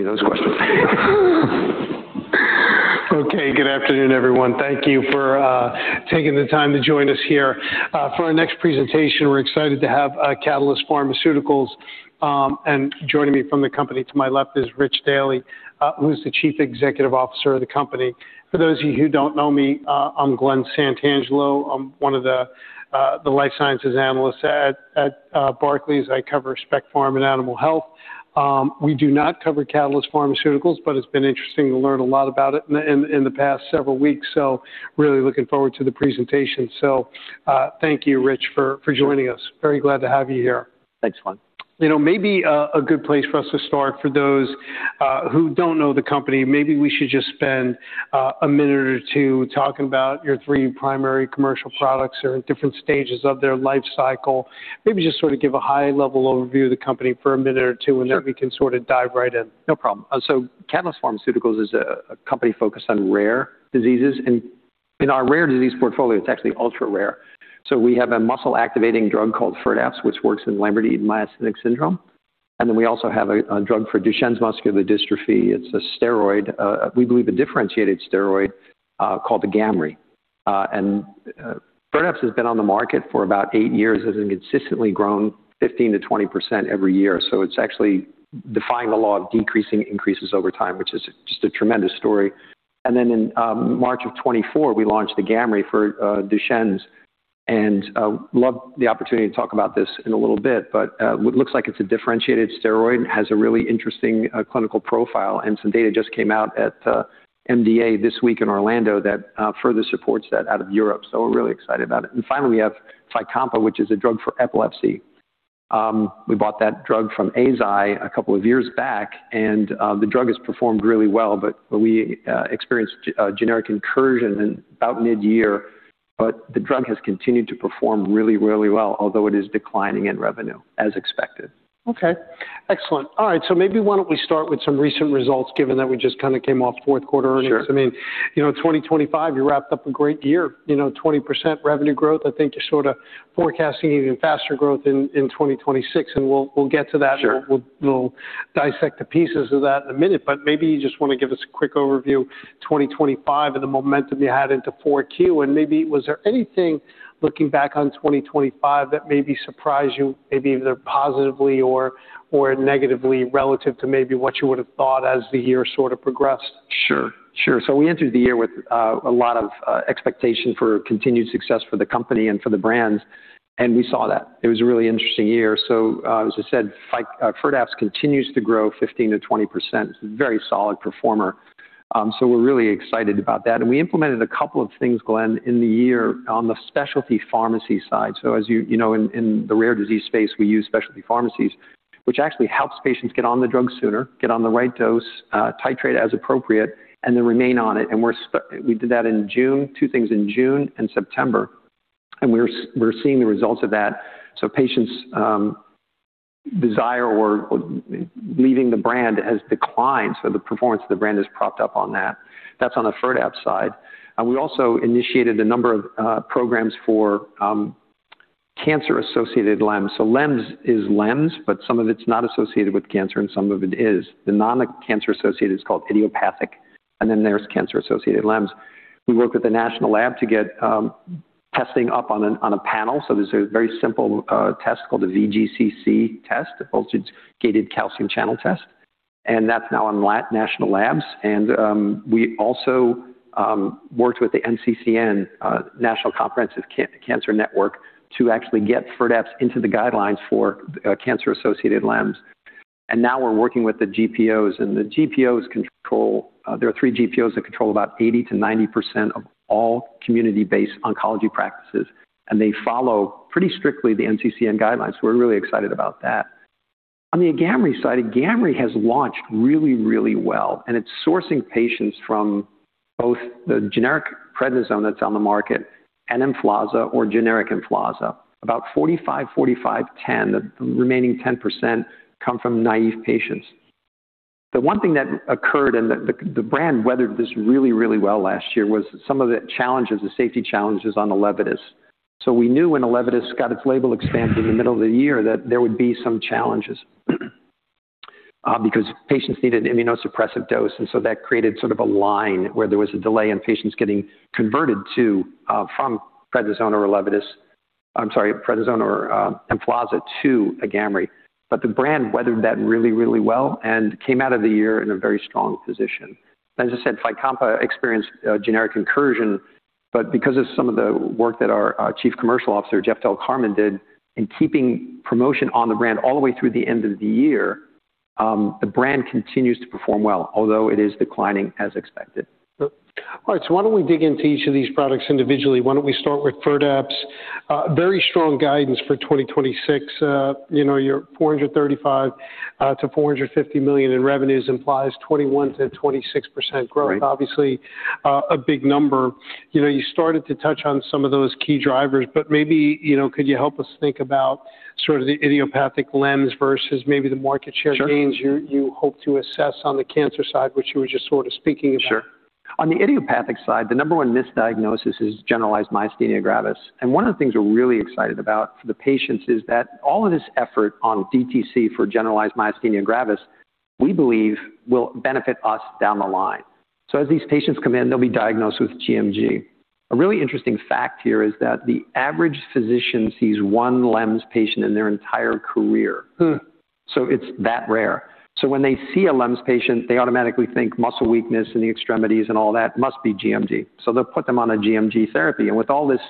Give me those questions. Good afternoon, everyone. Thank you for taking the time to join us here. For our next presentation, we're excited to have Catalyst Pharmaceuticals, and joining me from the company to my left is Rich Daly, who's the Chief Executive Officer of the company. For those of you who don't know me, I'm Glen Santangelo. I'm one of the life sciences analysts at Barclays. I cover specialty pharma and animal health. We do not cover Catalyst Pharmaceuticals, but it's been interesting to learn a lot about it in the past several weeks, so really looking forward to the presentation. Thank you Rich for joining us. Very glad to have you here. Thanks, Glen. You know, maybe a good place for us to start for those who don't know the company, maybe we should just spend a minute or two talking about your three primary commercial products that are at different stages of their life cycle. Maybe just sort of give a high-level overview of the company for a minute or two. Sure. We can sort of dive right in. No problem. Catalyst Pharmaceuticals is a company focused on rare diseases, and in our rare disease portfolio, it's actually ultra rare. We have a muscle activating drug called Firdapse, which works in Lambert-Eaton myasthenic syndrome. We also have a drug for Duchenne muscular dystrophy. It's a steroid, we believe a differentiated steroid called Agamree. Firdapse has been on the market for about 8 years. It has consistently grown 15%-20% every year, so it's actually defying the law of decreasing increases over time, which is just a tremendous story. In March of 2024, we launched Agamree for Duchenne muscular dystrophy. I'd love the opportunity to talk about this in a little bit, but which looks like it's a differentiated steroid and has a really interesting clinical profile. Some data just came out at MDA this week in Orlando that further supports that out of Europe, so we're really excited about it. Finally, we have Fycompa, which is a drug for epilepsy. We bought that drug from Eisai a couple of years back, and the drug has performed really well, but we experienced a generic incursion in about mid-year, but the drug has continued to perform really, really well, although it is declining in revenue, as expected. Okay, excellent. All right. Maybe why don't we start with some recent results, given that we just kind of came off fourth quarter earnings. Sure. I mean, you know, 2025, you wrapped up a great year, you know, 20% revenue growth. I think you're sort of forecasting even faster growth in 2026, and we'll get to that. Sure. We'll dissect the pieces of that in a minute, but maybe you just want to give us a quick overview, 2025 and the momentum you had into Q4. Maybe was there anything, looking back on 2025, that maybe surprised you maybe either positively or negatively relative to maybe what you would have thought as the year sort of progressed? Sure. We entered the year with a lot of expectation for continued success for the company and for the brands, and we saw that. It was a really interesting year. As I said, Firdapse continues to grow 15%-20%. It's a very solid performer, so we're really excited about that. We implemented a couple of things, Glenn, in the year on the specialty pharmacy side. As you know, in the rare disease space, we use specialty pharmacies, which actually helps patients get on the drug sooner, get on the right dose, titrate as appropriate, and then remain on it. We did that in June, two things in June and September. We're seeing the results of that. Patients' desire or leaving the brand has declined, so the performance of the brand has propped up on that. That's on the Firdapse side. We also initiated a number of programs for cancer-associated LEMS. LEMS is LEMS, but some of it's not associated with cancer and some of it is. The non-cancer associated is called idiopathic, and then there's cancer-associated LEMS. We worked with the national lab to get testing up on a panel. There's a very simple test called the VGCC test, the voltage-gated calcium channel test, and that's now on national labs. We also worked with the NCCN, National Comprehensive Cancer Network, to actually get Firdapse into the guidelines for cancer-associated LEMS. Now we're working with the GPOs. The GPOs control. There are three GPOs that control about 80%-90% of all community-based oncology practices, and they follow pretty strictly the NCCN guidelines. We're really excited about that. On the Agamree side, Agamree has launched really well, and it's sourcing patients from both the generic prednisone that's on the market and Emflaza or generic Emflaza. About 45, 10, the remaining 10% come from naive patients. The one thing that occurred, and the brand weathered this really, really well last year, was some of the challenges, the safety challenges on Elevidys. We knew when Elevidys got its label expanded in the middle of the year that there would be some challenges, because patients needed immunosuppressive dose, and so that created sort of a line where there was a delay in patients getting converted from prednisone or Emflaza to Agamree. The brand weathered that really, really well and came out of the year in a very strong position. As I said, Fycompa experienced generic incursion, but because of some of the work that our Chief Commercial Officer, Jeffrey Del Carmen did in keeping promotion on the brand all the way through the end of the year, the brand continues to perform well, although it is declining as expected. All right. Why don't we dig into each of these products individually? Why don't we start with Firdapse? Very strong guidance for 2026. You know, your $435 million-$450 million in revenues implies 21%-26% growth. Right. Obviously, a big number. You know, you started to touch on some of those key drivers, but maybe, you know, could you help us think about sort of the idiopathic LEMS versus maybe the market share? Sure. Any gains you hope to assess on the cancer side, which you were just sort of speaking about? On the idiopathic side, the number one misdiagnosis is generalized myasthenia gravis. One of the things we're really excited about for the patients is that all of this effort on DTC for generalized myasthenia gravis, we believe, will benefit us down the line. As these patients come in, they'll be diagnosed with gMG. A really interesting fact here is that the average physician sees one LEMS patient in their entire career. Huh. It's that rare. When they see a LEMS patient, they automatically think muscle weakness in the extremities and all that, must be gMG. They'll put them on a gMG therapy. With all this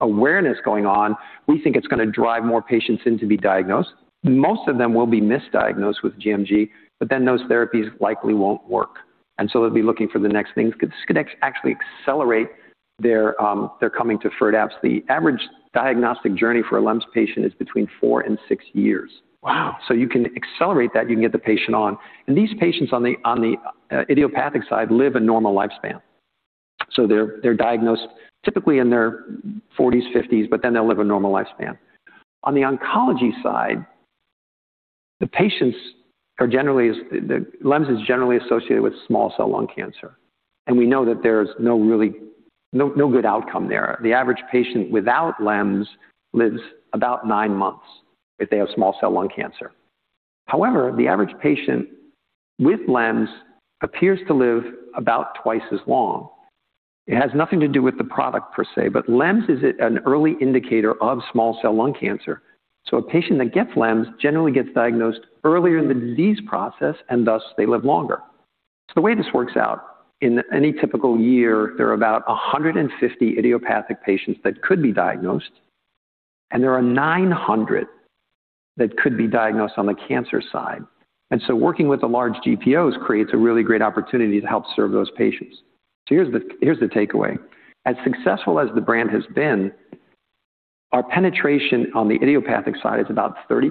awareness going on, we think it's going to drive more patients in to be diagnosed. Most of them will be misdiagnosed with gMG, but then those therapies likely won't work. They'll be looking for the next things. This could actually accelerate their coming to Firdapse. The average diagnostic journey for a LEMS patient is between four and six years. Wow. You can accelerate that, you can get the patient on. These patients on the idiopathic side live a normal lifespan. They're diagnosed typically in their forties, fifties, but then they'll live a normal lifespan. On the oncology side, the patients are generally, LEMS is generally associated with small cell lung cancer, and we know that there's no good outcome there. The average patient without LEMS lives about nine months if they have small cell lung cancer. However, the average patient with LEMS appears to live about twice as long. It has nothing to do with the product per se, but LEMS is an early indicator of small cell lung cancer. A patient that gets LEMS generally gets diagnosed earlier in the disease process, and thus they live longer. The way this works out, in any typical year, there are about 150 idiopathic patients that could be diagnosed, and there are 900 that could be diagnosed on the cancer side. Working with the large GPOs creates a really great opportunity to help serve those patients. Here's the takeaway. As successful as the brand has been, our penetration on the idiopathic side is about 30%,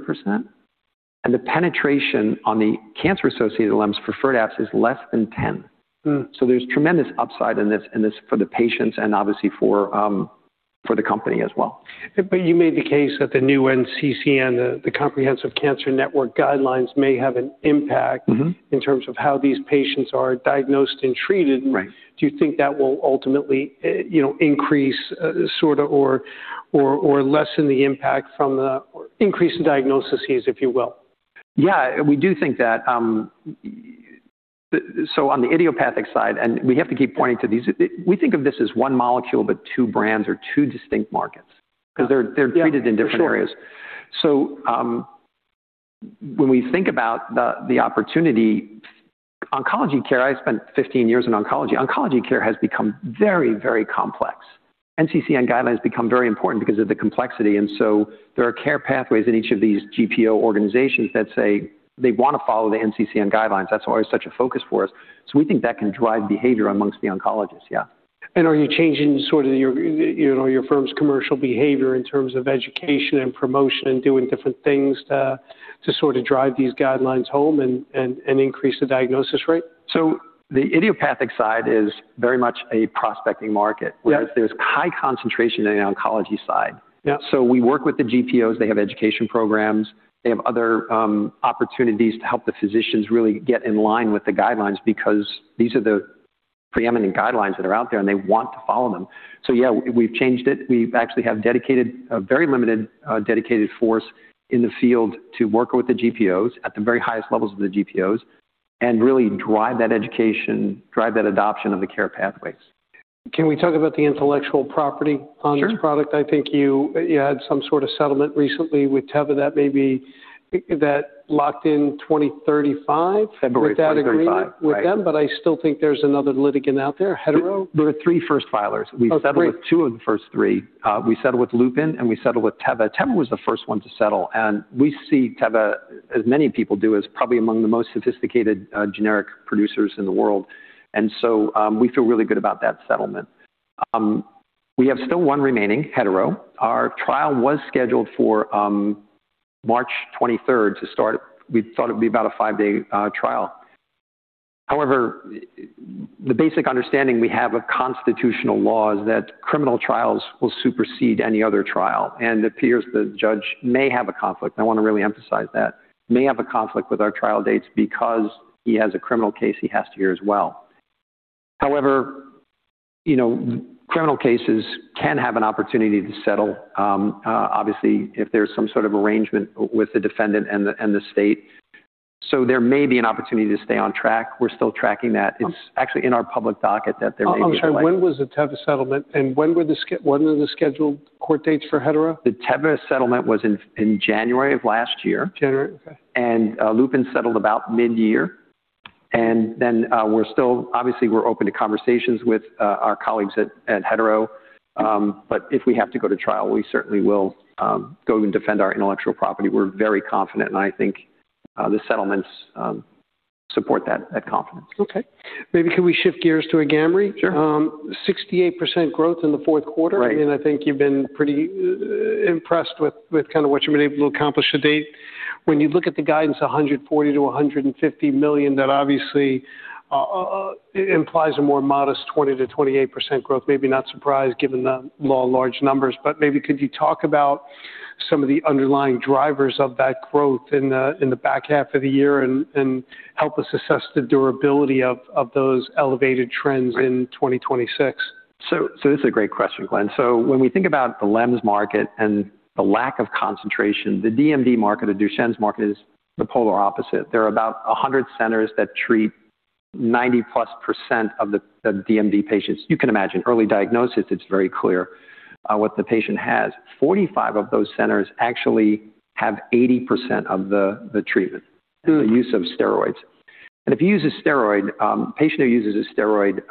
and the penetration on the cancer-associated LEMS for Firdapse is less than 10%. Hmm. There's tremendous upside in this for the patients and obviously for the company as well. You made the case that the new NCCN, the National Comprehensive Cancer Network guidelines may have an impact. Mm-hmm. In terms of how these patients are diagnosed and treated. Right. Do you think that will ultimately, you know, increase sort of or lessen the impact from the increased diagnoses, if you will? Yeah, we do think that. On the idiopathic side, and we have to keep pointing to these. We think of this as one molecule, but two brands or two distinct markets because they're treated in different areas. Yeah, for sure. When we think about the opportunity, oncology care, I spent 15 years in oncology. Oncology care has become very, very complex. NCCN guidelines become very important because of the complexity, and so there are care pathways in each of these GPO organizations that say they want to follow the NCCN guidelines. That's always such a focus for us. We think that can drive behavior among the oncologists. Yeah. Are you changing sort of your, you know, your firm's commercial behavior in terms of education and promotion and doing different things to sort of drive these guidelines home and increase the diagnosis rate? The idiopathic side is very much a prospecting market. Yeah. Whereas there's high concentration in the oncology side. Yeah. We work with the GPOs. They have education programs. They have other, opportunities to help the physicians really get in line with the guidelines because these are the preeminent guidelines that are out there, and they want to follow them. Yeah, we've changed it. We actually have dedicated a very limited dedicated force in the field to work with the GPOs at the very highest levels of the GPOs and really drive that education, drive that adoption of the care pathways. Can we talk about the intellectual property on this product? Sure. I think you had some sort of settlement recently with Teva that locked in 2035? February 2035. With that agreement with them. I still think there's another litigant out there, Hetero. There are three first filers. Okay. We settled with two of the first three. We settled with Lupin, and we settled with Teva. Teva was the first one to settle, and we see Teva, as many people do, as probably among the most sophisticated, generic producers in the world, and so, we feel really good about that settlement. We have still one remaining, Hetero. Our trial was scheduled for, March 23rd to start. We thought it would be about a 5-day, trial. However, the basic understanding we have of constitutional law is that criminal trials will supersede any other trial. It appears the judge may have a conflict. I want to really emphasize that. May have a conflict with our trial dates because he has a criminal case he has to hear as well. However, you know, criminal cases can have an opportunity to settle, obviously, if there's some sort of arrangement with the defendant and the state. There may be an opportunity to stay on track. We're still tracking that. It's actually in our public docket that there may be. I'm sorry, when was the Teva settlement, and when are the scheduled court dates for Hetero? The Teva settlement was in January of last year. January, okay. Lupin settled about mid-year. We're still obviously open to conversations with our colleagues at Hetero. But if we have to go to trial, we certainly will go and defend our intellectual property. We're very confident, and I think the settlements support that confidence. Okay. Maybe can we shift gears to Agamree? Sure. 68% growth in the fourth quarter. Right. I think you've been pretty impressed with kind of what you've been able to accomplish to date. When you look at the guidance, $140 million-$150 million, that obviously implies a more modest 20%-28% growth. Maybe not surprised given the law of large numbers, but maybe could you talk about some of the underlying drivers of that growth in the back half of the year and help us assess the durability of those elevated trends in 2026? This is a great question, Glenn. When we think about the LEMS market and the lack of concentration, the DMD market, the Duchenne market, is the polar opposite. There are about 100 centers that treat 90%+ of the DMD patients. You can imagine early diagnosis, it's very clear what the patient has. 45 of those centers actually have 80% of the treatment. Mm. The use of steroids. If you use a steroid, a patient who uses a steroid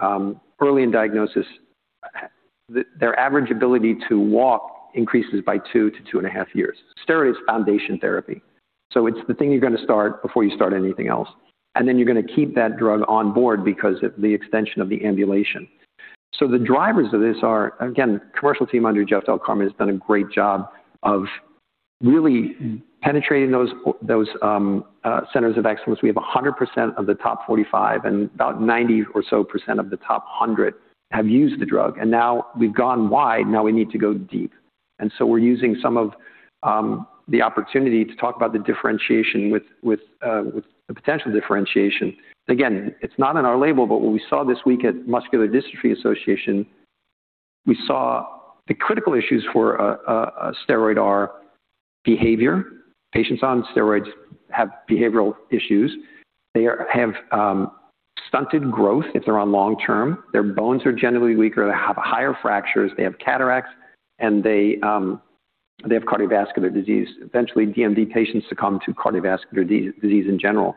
early in diagnosis, their average ability to walk increases by 2 years-2.5 years. Steroid is foundation therapy, so it's the thing you're gonna start before you start anything else, and then you're gonna keep that drug on board because of the extension of the ambulation. The drivers of this are, again, commercial team under Jeffrey Del Carmen has done a great job of really penetrating those centers of excellence. We have 100% of the top 45 and about 90% or so of the top 100 have used the drug. Now we've gone wide, now we need to go deep. We're using some of the opportunity to talk about the differentiation with the potential differentiation. Again, it's not in our label, but what we saw this week at Muscular Dystrophy Association, we saw the critical issues for a steroid are behavior. Patients on steroids have behavioral issues. They have stunted growth if they're on long-term. Their bones are generally weaker. They have higher fractures. They have cataracts, and they have cardiovascular disease. Eventually, DMD patients succumb to cardiovascular disease in general.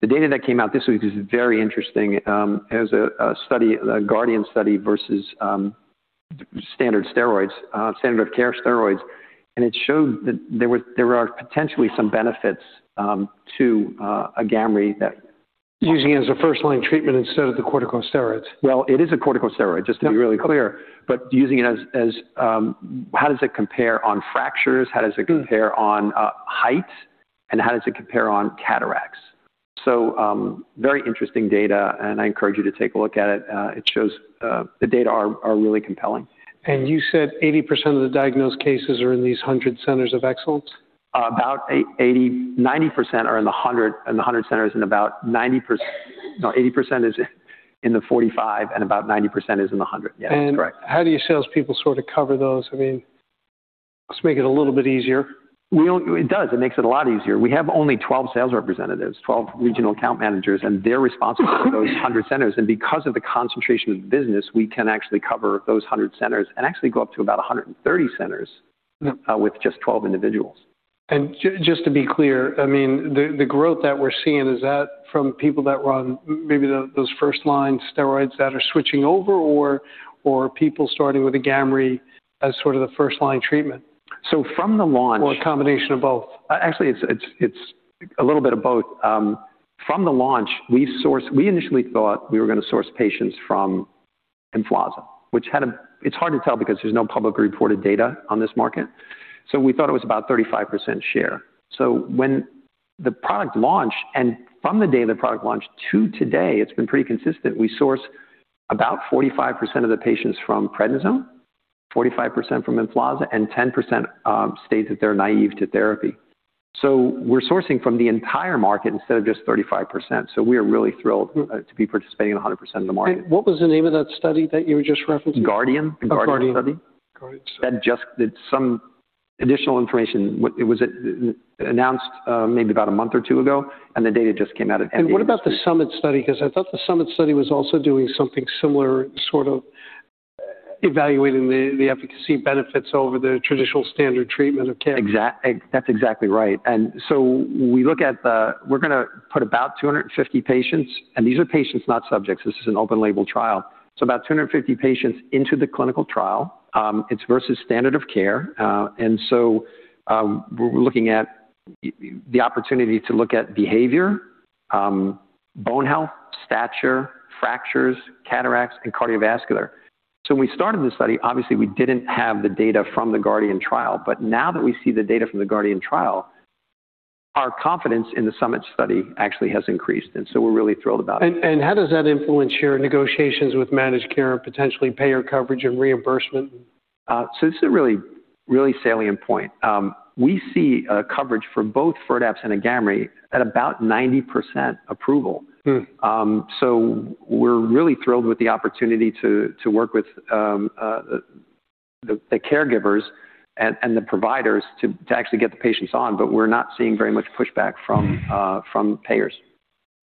The data that came out this week is very interesting. It was a study, a GUARDIAN study versus standard steroids, standard of care steroids, and it showed that there are potentially some benefits to Agamree that- Using it as a first-line treatment instead of the corticosteroids. Well, it is a corticosteroid, just to be really clear. Using it as how does it compare on fractures? How does it compare on height, and how does it compare on cataracts? Very interesting data, and I encourage you to take a look at it. It shows the data are really compelling. You said 80% of the diagnosed cases are in these 100 centers of excellence? About 80%-90% are in the 100 centers and about 90%. No, 80% is in the 45% and about 90% is in the 100. Yes, that's correct. How do your salespeople sort of cover those? I mean, let's make it a little bit easier. It does. It makes it a lot easier. We have only 12 sales representatives, 12 regional account managers, and they're responsible for those 100 centers. Because of the concentration of the business, we can actually cover those 100 centers and actually go up to about 130 centers. Yeah. with just 12 individuals. Just to be clear, I mean, the growth that we're seeing, is that from people that were on maybe those first-line steroids that are switching over or people starting with Agamree as sort of the first-line treatment? From the launch. A combination of both? Actually, it's a little bit of both. From the launch, we sourced. We initially thought we were gonna source patients from Emflaza. It's hard to tell because there's no publicly reported data on this market. We thought it was about 35% share. When the product launched and from the day the product launched to today, it's been pretty consistent. We source about 45% of the patients from prednisone, 45% from Emflaza, and 10% state that they're naive to therapy. We're sourcing from the entire market instead of just 35%. We are really thrilled. Mm. to be participating in 100% of the market. What was the name of that study that you were just referencing? Guardian. Oh, Guardian. The GUARDIAN study. Got it. That just added some additional information. It was announced, maybe about a month or two ago, and the data just came out at the end of this week. What about the SUMMIT study? Because I thought the SUMMIT study was also doing something similar, sort of evaluating the efficacy benefits over the traditional standard of care. That's exactly right. We're gonna put about 250 patients, and these are patients, not subjects, into the clinical trial. This is an open label trial. It's versus standard of care. We're looking at the opportunity to look at behavior, bone health, stature, fractures, cataracts, and cardiovascular. When we started the study, obviously, we didn't have the data from the GUARDIAN study, but now that we see the data from the GUARDIAN study, our confidence in the SUMMIT study actually has increased, and we're really thrilled about it. How does that influence your negotiations with managed care and potentially payer coverage and reimbursement? This is a really, really salient point. We see coverage for both Firdapse and Agamree at about 90% approval. Mm. We're really thrilled with the opportunity to work with the caregivers and the providers to actually get the patients on, but we're not seeing very much pushback from payers.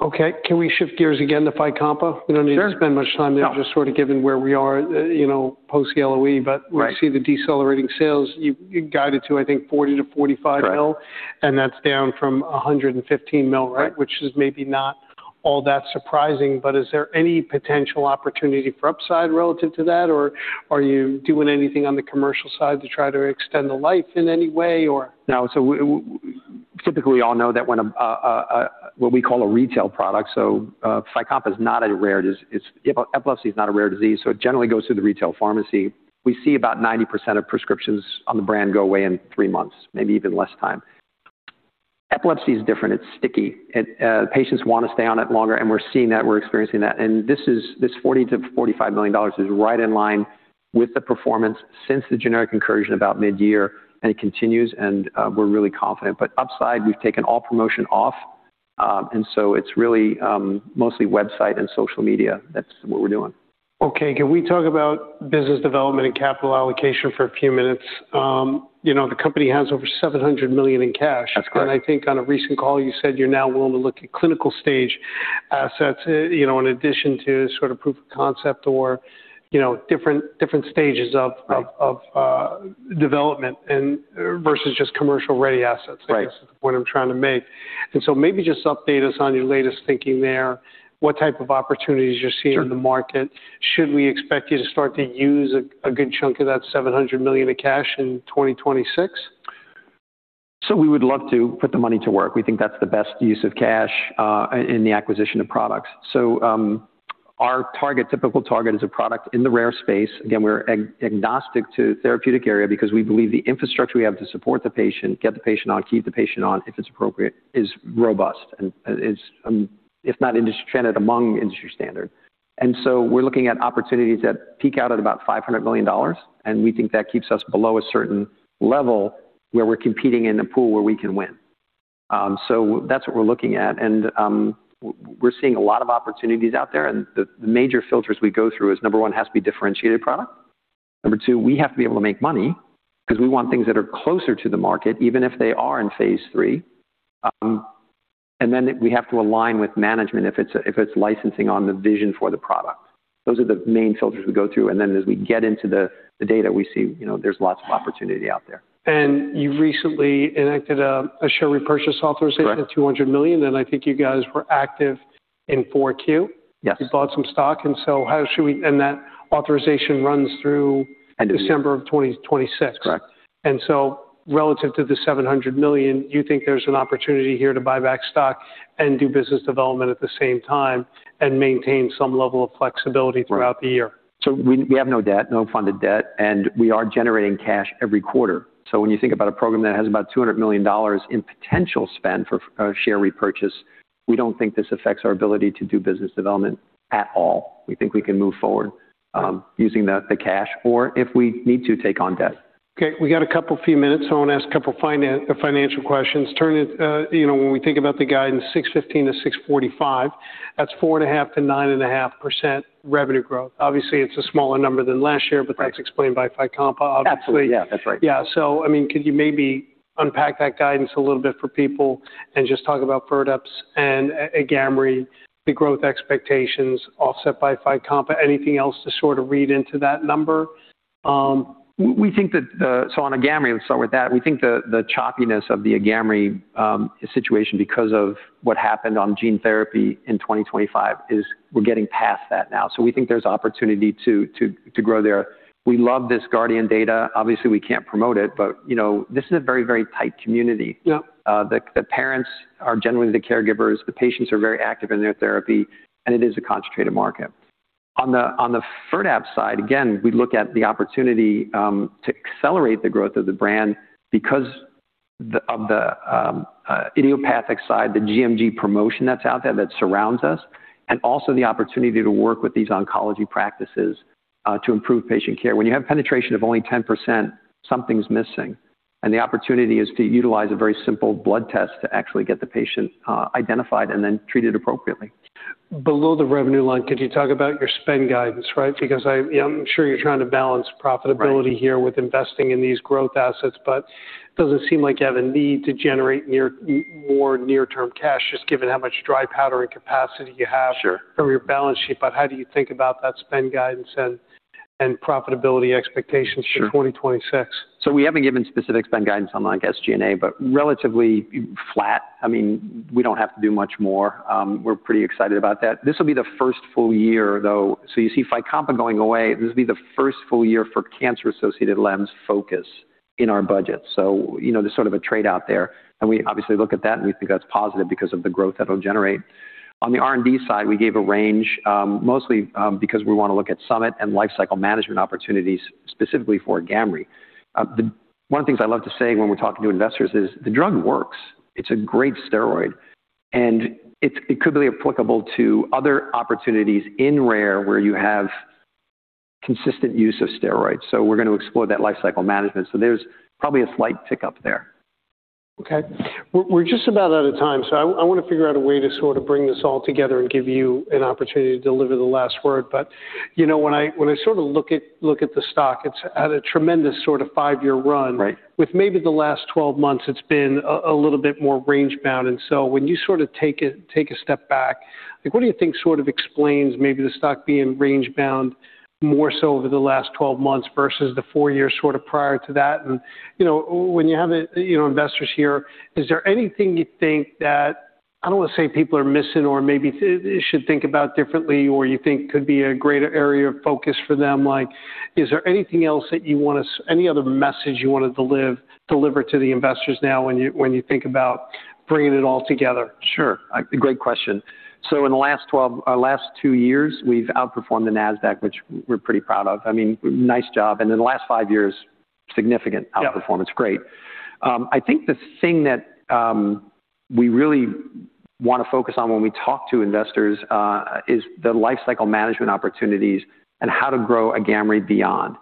Okay. Can we shift gears again to Fycompa? Sure. We don't need to spend much time there. No. Just sort of given where we are, you know, post the LOE. Right. We see the decelerating sales. You guided to, I think, $40 million-$45 million. Right. That's down from $115 million, right? Yeah. Which is maybe not all that surprising. Is there any potential opportunity for upside relative to that? Are you doing anything on the commercial side to try to extend the life in any way or? No. We typically all know that when what we call a retail product, Fycompa is not a rare disease. Epilepsy is not a rare disease, so it generally goes through the retail pharmacy. We see about 90% of prescriptions on the brand go away in three months, maybe even less time. Epilepsy is different, it's sticky. Patients wanna stay on it longer, and we're seeing that, we're experiencing that. This $40 million-$45 million is right in line with the performance since the generic incursion about mid-year, and it continues, and we're really confident. Upside, we've taken all promotion off, and so it's really mostly website and social media. That's what we're doing. Okay. Can we talk about business development and capital allocation for a few minutes? You know, the company has over $700 million in cash. That's correct. I think on a recent call, you said you're now willing to look at clinical stage assets, you know, in addition to sort of proof of concept or, you know, different stages of. Right. of development and versus just commercial ready assets. Right. I guess is the point I'm trying to make. Maybe just update us on your latest thinking there. What type of opportunities you're seeing? Sure. In the market? Should we expect you to start to use a good chunk of that $700 million in cash in 2026? We would love to put the money to work. We think that's the best use of cash in the acquisition of products. Our target, typical target is a product in the rare space. Again, we're agnostic to therapeutic area because we believe the infrastructure we have to support the patient, get the patient on, keep the patient on, if it's appropriate, is robust and is, if not industry standard, among industry standard. We're looking at opportunities that peak out at about $500 million, and we think that keeps us below a certain level where we're competing in a pool where we can win. That's what we're looking at. We're seeing a lot of opportunities out there, and the major filters we go through is, number one, it has to be differentiated product. Number 2, we have to be able to make money because we want things that are closer to the market, even if they are in Phase 3. We have to align with management if it's licensing on the vision for the product. Those are the main filters we go through, and then as we get into the data, we see, you know, there's lots of opportunity out there. You recently enacted a share repurchase authorization. Correct. $200 million. I think you guys were active in 4Q. Yes. That authorization runs through- December. December of 2026. Correct. Relative to the $700 million, you think there's an opportunity here to buy back stock and do business development at the same time and maintain some level of flexibility. Right. Throughout the year. We have no debt, no funded debt, and we are generating cash every quarter. When you think about a program that has about $200 million in potential spend for share repurchase, we don't think this affects our ability to do business development at all. We think we can move forward using the cash or if we need to take on debt. Okay, we got a couple of minutes. I wanna ask a couple financial questions. You know, when we think about the guidance, $615-$645, that's 4.5%-9.5% revenue growth. Obviously, it's a smaller number than last year. Right. that's explained by Fycompa, obviously. Absolutely, yeah. That's right. Yeah. I mean, could you maybe unpack that guidance a little bit for people and just talk about Firdapse and Agamree, the growth expectations offset by Fycompa? Anything else to sort of read into that number? We think that on Agamree, we'll start with that. We think the choppiness of the Agamree situation because of what happened on gene therapy in 2025 is we're getting past that now. We think there's opportunity to grow there. We love this Guardian data. Obviously, we can't promote it, but you know, this is a very tight community. Yeah. The parents are generally the caregivers. The patients are very active in their therapy, and it is a concentrated market. On the Firdapse side, again, we look at the opportunity to accelerate the growth of the brand because of the idiopathic side, the GMG promotion that's out there that surrounds us, and also the opportunity to work with these oncology practices to improve patient care. When you have penetration of only 10%, something's missing, and the opportunity is to utilize a very simple blood test to actually get the patient identified and then treated appropriately. Below the revenue line, could you talk about your spend guidance, right? Because I, yeah, I'm sure you're trying to balance profitability. Right. here with investing in these growth assets, but doesn't seem like you have a need to generate more near-term cash, just given how much dry powder and capacity you have. Sure. from your balance sheet. How do you think about that spend guidance and profitability expectations? Sure. for 2026? We haven't given specific spend guidance on like SG&A, but relatively flat. I mean, we don't have to do much more. We're pretty excited about that. This will be the first full year, though. You see Fycompa going away. This will be the first full year for cancer-associated LEMS focus in our budget. You know, there's sort of a trade out there. We obviously look at that, and we think that's positive because of the growth that'll generate. On the R&D side, we gave a range, mostly, because we wanna look at SUMMIT and lifecycle management opportunities, specifically for Agamree. One of the things I love to say when we're talking to investors is the drug works. It's a great steroid, and it could be applicable to other opportunities in rare where you have consistent use of steroids. We're gonna explore that lifecycle management. There's probably a slight tick-up there. Okay. We're just about out of time, so I wanna figure out a way to sort of bring this all together and give you an opportunity to deliver the last word. You know, when I sorta look at the stock, it's had a tremendous sort of five-year run. Right. With maybe the last 12 months, it's been a little bit more range-bound. When you sorta take a step back, like, what do you think sort of explains maybe the stock being range-bound more so over the last 12 months versus the 4 years sort of prior to that? You know, when you have, you know, investors here, is there anything you think that, I don't wanna say people are missing or maybe should think about differently or you think could be a greater area of focus for them? Like, is there anything else that you wanna any other message you wanna deliver to the investors now when you, when you think about bringing it all together? Sure. A great question. In the last two years, we've outperformed the Nasdaq, which we're pretty proud of. I mean, nice job. In the last five years, significant. Yeah. outperformance. Great. I think the thing that we really wanna focus on when we talk to investors is the lifecycle management opportunities and how to grow Agamree beyond.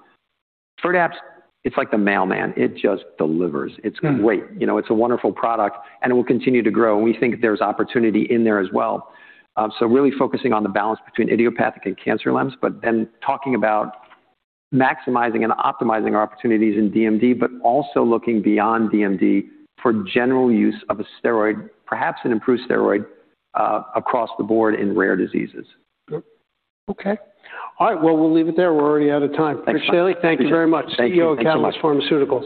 Firdapse, it's like the mailman. It just delivers. Mm. It's great. You know, it's a wonderful product, and it will continue to grow, and we think there's opportunity in there as well. Really focusing on the balance between idiopathic and cancer LEMS, but then talking about maximizing and optimizing our opportunities in DMD, but also looking beyond DMD for general use of a steroid, perhaps an improved steroid, across the board in rare diseases. Good. Okay. All right. Well, we'll leave it there. We're already out of time. Thanks, Rich. Richard Daly, thank you very much. Thank you. Thanks so much. CEO of Catalyst Pharmaceuticals.